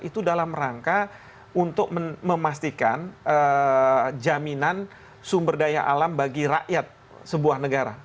itu dalam rangka untuk memastikan jaminan sumber daya alam bagi rakyat sebuah negara